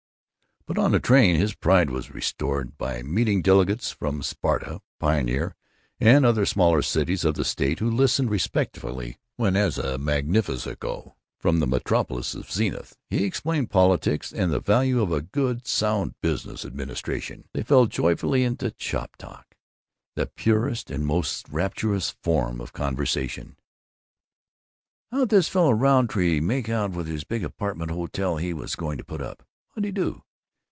But on the train his pride was restored by meeting delegates from Sparta, Pioneer, and other smaller cities of the state, who listened respectfully when, as a magnifico from the metropolis of Zenith, he explained politics and the value of a Good Sound Business Administration. They fell joyfully into shop talk, the purest and most rapturous form of conversation: "How'd this fellow Rountree make out with this big apartment hotel he was going to put up? Whadde do?